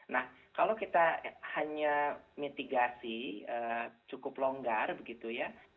nah kalau kita hanya mitigasi cukup longgar begitu ya